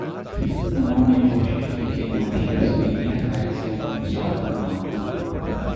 انہوں نے کوشش کی کہ نواز شریف زمینی حقائق سے متصادم نہ ہوں۔